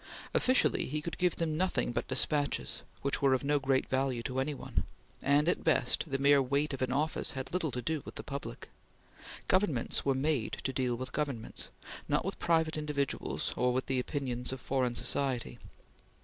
Officially he could give them nothing but despatches, which were of no great value to any one; and at best the mere weight of an office had little to do with the public. Governments were made to deal with Governments, not with private individuals or with the opinions of foreign society.